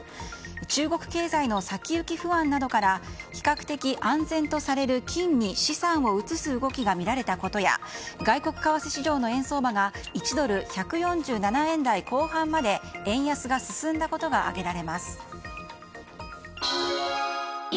中国経済の先行き不安などから比較的安全とされる金に資産を移す動きがみられたことや外国為替市場の円相場が１ドル＝１４７円台後半まで円安が進んだことが挙げられます。